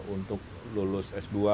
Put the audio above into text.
untuk lulus s dua